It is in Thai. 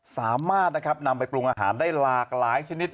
สามารถนะครับนำไปปรุงอาหารได้หลากหลายชนิด